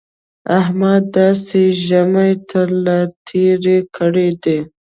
احمد داسې ژامې تر له تېرې کړې دي